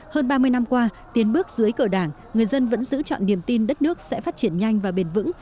hơn ba mươi năm qua tiến bước dưới cờ đảng người dân vẫn giữ chọn niềm tin đất nước sẽ phát triển nhanh và bền vững